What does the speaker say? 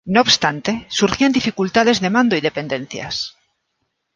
No obstante, surgían dificultades de mando y dependencias.